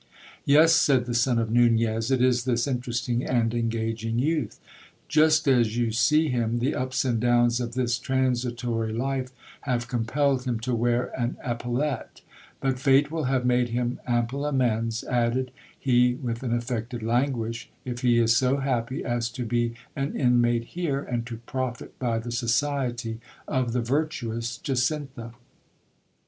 Yes, said the son of Nunez, it is this interesting and engaging youth. Just as you see him, the ups and downs of this transitory life have compelled him to wear an epaulette : but fate will have made him ample amends, added he with an affected languish, if he is so happy as to be an inmate here, and to profit by the society of the virtuous Jacintha.